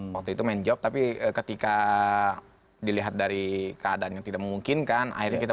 waktu itu main job tapi ketika dilihat dari keadaan yang tidak memungkinkan akhirnya kita